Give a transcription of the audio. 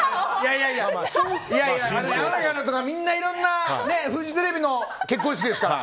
いやいや、みんないろんなフジテレビの結婚式ですから。